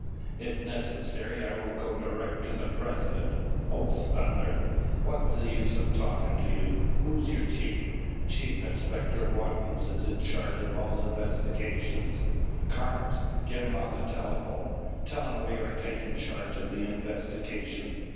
If necessary, I will go direct to the President. Oh, thunder! What's the use of talking to you? Who's your chief?" "Chief Inspector Watkins is in charge of all investigations." "Carnes, get him on the telephone. Tell him we are taking charge of the investigation.